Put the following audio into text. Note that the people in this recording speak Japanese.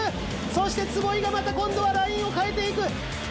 そして坪井がまた今度はラインを変えていく！